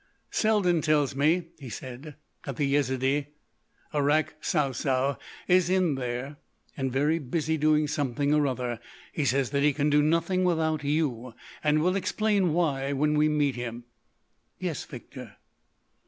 "Selden tells me," he said, "that the Yezidee, Arrak Sou Sou, is in there and very busy doing something or other. He says that he can do nothing without you, and will explain why when we meet him." "Yes, Victor."